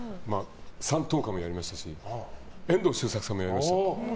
「山頭火」もやりましたし遠藤周作さんもやりました。